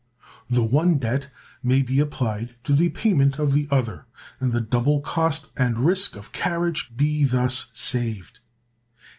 The one debt may be applied to the payment of the other, and the double cost and risk of carriage be thus saved.